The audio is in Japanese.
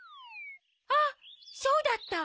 あっそうだった！